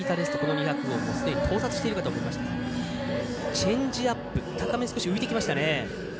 チェンジアップが高めに少し浮いてきましたね。